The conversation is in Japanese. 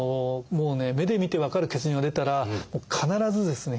目で見て分かる血尿が出たら必ずですね